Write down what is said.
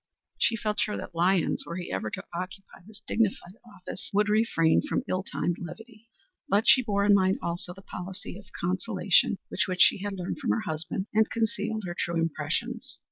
She felt sure that Lyons, were he ever to occupy this dignified office, would refrain from ill timed levity, but she bore in mind also the policy of conciliation which she had learned from her husband, and concealed her true impressions.